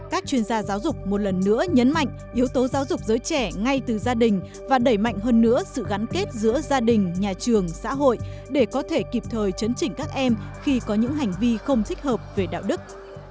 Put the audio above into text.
các chuyên gia giáo dục một lần nữa nhấn mạnh yếu tố giáo dục giới trẻ ngay từ gia đình và đẩy mạnh hơn nữa sự gắn kết giữa gia đình nhà trường xã hội để có thể kịp thời chấn chỉnh các em khi có những hành vi không thích hợp về đạo đức